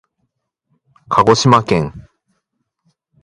かごしまけん